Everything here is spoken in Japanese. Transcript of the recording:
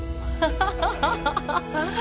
ハハハハ！